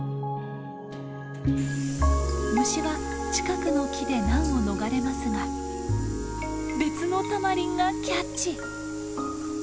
虫は近くの木で難を逃れますが別のタマリンがキャッチ。